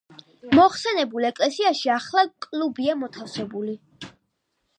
მოხსენებულ ეკლესიაში ახლა კლუბია მოთავსებული.